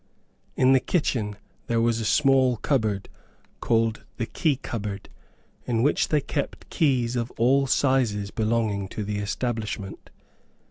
In the kitchen there was a small cupboard, called the key cupboard, in which they kept keys of all sizes belonging to the establishment.